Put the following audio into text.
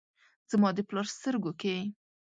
زما د پلار سترګو کې ،